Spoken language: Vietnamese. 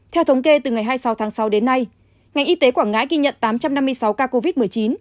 theo thống kê từ ngày hai mươi sáu tháng sáu đến nay ngành y tế quảng ngãi ghi nhận tám trăm năm mươi sáu ca covid một mươi chín